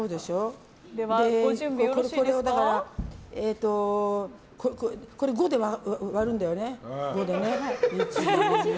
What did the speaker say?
だから、これを５で割るんだよね。